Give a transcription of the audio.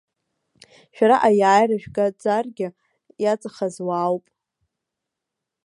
Шәара аиааира жәгаӡаргьы, иаҵахаз уаауп.